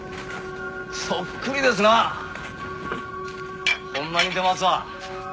⁉そっくりですなあ！ホンマ似てますわ！